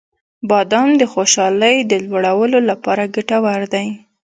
• بادام د خوشحالۍ د لوړولو لپاره ګټور دی.